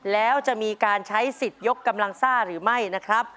แล้วจะมีการใช้สิทธิ์ยกกำลังซ่าหรือไม่นะครับ